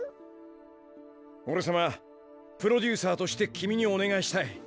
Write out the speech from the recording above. おれさまプロデューサーとして君におねがいしたい。